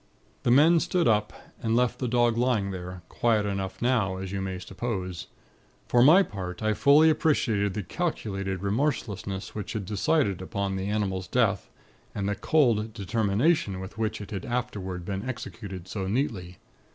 "The men stood up, and left the dog lying there, quiet enough now, as you may suppose. For my part, I fully appreciated the calculated remorselessness which had decided upon the animal's death, and the cold determination with which it had been afterward executed so neatly.